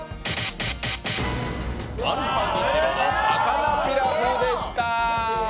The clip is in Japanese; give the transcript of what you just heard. マルハニチロの高菜ピラフでした。